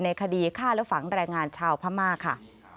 คดีฆ่าและฝังแรงงานชาวพม่าค่ะ